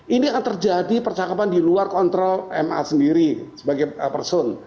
ini akan terjadi percakapan di luar kontrol ma sendiri sebagai person